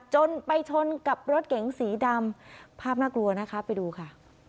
จนไปชนกับรถเก๋งสีดำภาพน่ากลัวนะคะไปดูค่ะ